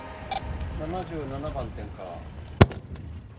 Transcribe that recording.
７７番点火。